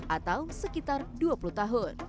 atau sekitar dua puluh tahun